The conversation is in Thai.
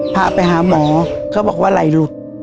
พาไปหาหมอเขาบอกว่าไหลหลุด